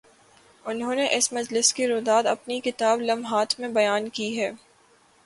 انہوں نے اس مجلس کی روداد اپنی کتاب "لمحات" میں بیان کی ہے۔